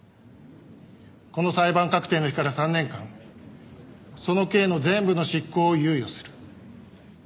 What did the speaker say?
この裁判確定の日から３年間その刑の全部の執行を猶予する。